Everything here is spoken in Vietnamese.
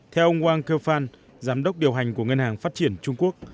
theo ông wang kefan giám đốc điều hành của ngân hàng phát triển trung quốc